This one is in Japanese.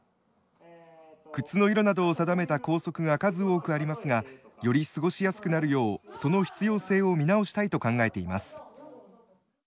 靴の色などを定めた校則が数多くありますがより過ごしやすくなるようその必要性を見直したいと考えています。